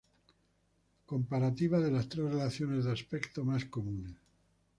Comparativa de las tres relaciones de aspecto más comunes.